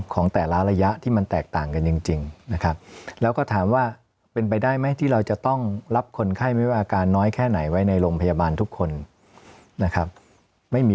ของแต่ละระยะที่มันแตกต่างกันจริงนะครับแล้วก็ถามว่าเป็นไปได้ไหมที่เราจะต้องรับคนไข้ไม่ว่าอาการน้อยแค่ไหนไว้ในโรงพยาบาลทุกคนนะครับไม่มี